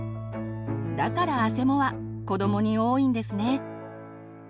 だからあせもは子どもに多いんですね。